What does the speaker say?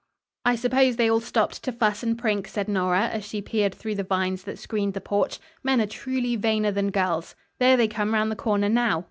"I suppose they all stopped to fuss and prink," said Nora, as she peered through the vines that screened the porch. "Men are, truly, vainer than girls. There they come around the corner, now.